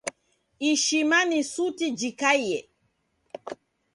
Ishima ni suti jikaiye.